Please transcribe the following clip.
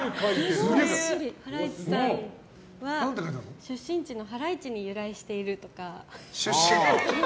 ハライチさんは出身地の原市に由来しているとか出身地。